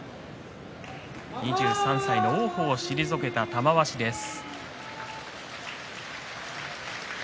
２３歳の王鵬を退けた玉鷲です。